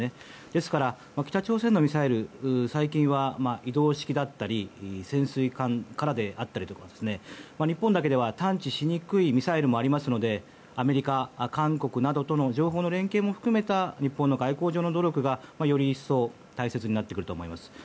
ですから北朝鮮のミサイル最近は移動式だったり潜水艦からだったりとか日本だけでは探知しにくいミサイルもあるのでアメリカ、韓国などとの情報の連携も含めた日本の外交上の努力がより一層大切になってくると思います。